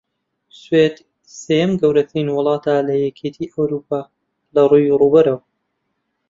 سوێد سێیەم گەورەترین وڵاتە لە یەکێتی ئەوڕوپا لەڕووی ڕووبەرەوە